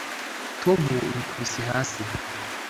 Tom yikubise hasi